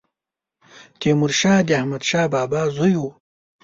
تيمورشاه د احمدشاه بابا زوی و